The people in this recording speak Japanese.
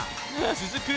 続く